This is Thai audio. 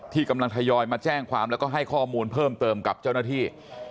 กำลังทยอยมาแจ้งความแล้วก็ให้ข้อมูลเพิ่มเติมกับเจ้าหน้าที่